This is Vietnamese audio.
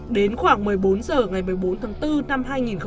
đến khoảng một mươi bốn h ngày một mươi bốn tháng bốn năm hai nghìn hai mươi